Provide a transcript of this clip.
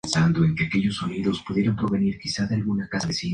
En España la moción de censura es constructiva y continuista.